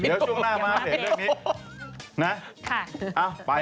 เดี๋ยวช่วงหน้ามาเสร็จเรื่องนี้